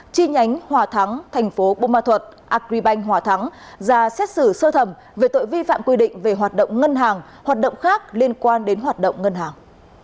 chi nhánh hòa thắng thành phố bô ma thuật agribank hòa thắng ra xét xử sơ thẩm về tội vi phạm quy định về hoạt động ngân hàng hoạt động khác liên quan đến hoạt động ngân hàng